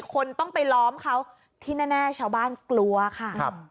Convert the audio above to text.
คนต้องไปล้อมเขาที่แน่ชาวบ้านกลัวค่ะ